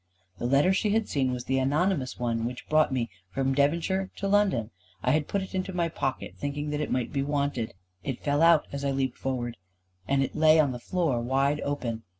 The letter she had seen was the anonymous one which brought me from Devonshire to London. I had put it into my pocket, thinking that it might be wanted. It fell out as I leaped forward, and it lay on the floor wide open.